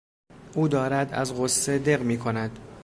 او دارد از غصه دق میکند.